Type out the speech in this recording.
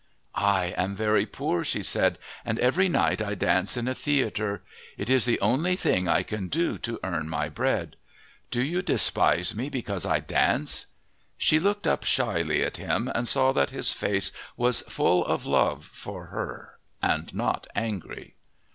"I am very poor," she said, "and every night I dance in a theatre. It is the only thing I can do to earn my bread. Do you despise me because I dance?" She looked up shyly at him and saw that his face was full of love for her and not angry.